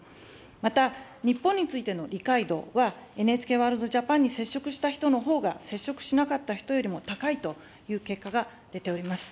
また、日本についての理解度は、ＮＨＫワールドＪＡＰＡＮに接触した人のほうが、接触しなかった人よりも高いという結果が出ております。